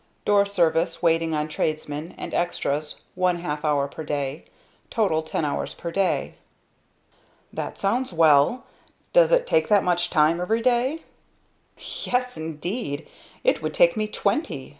Door service, waiting on tradesmen, and extras one half hour per day. Total ten hours per day." "That sounds well. Does it take that much time every day?" "Yes, indeed! It would take me twenty!"